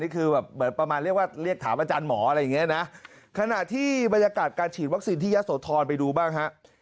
นี่คือเรียกถามอาจารย์หมออะไรอย่างนี้นะขณะที่บรรยากาศการฉีดวัคซีนที่ยศโทรณไปดูบ้าง